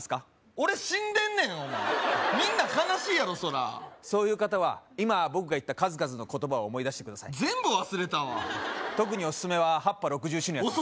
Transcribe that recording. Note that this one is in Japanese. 俺死んでんねんお前みんな悲しいやろそらそういう方は今僕が言った数々の言葉を思い出してください全部忘れたわ特にオススメは８×８＝６４のヤツです